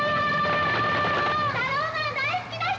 タローマン大好きな人！